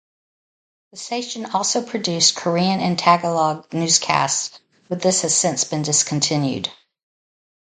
The station also produced Korean and Tagalog newscasts but this has since been discontinued.